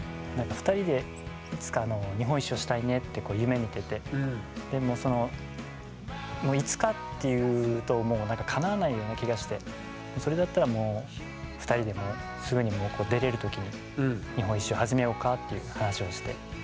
２人でいつか日本一周をしたいねって夢みててでもそのいつかって言うともうなんかかなわないような気がしてそれだったらもう２人ですぐに出れる時に日本一周始めようかっていう話をして。